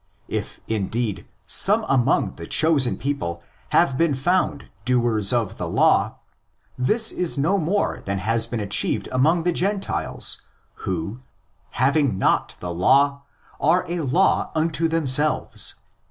If, indeed, some among the chosen people have been found '"' doers of the law," this is no more than has been achieved among the Gentiles, who, '' having not the law, are a law unto themselves "' (i1.